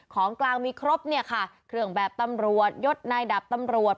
ของกลางมีครบเนี่ยค่ะเครื่องแบบตำรวจยศนายดับตำรวจ